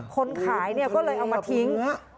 คนขายก็เลยเอามาทิ้ง